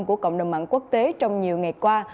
của cộng đồng mạng quốc tế trong nhiều ngày qua